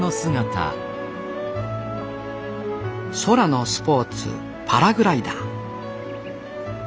空のスポーツパラグライダー。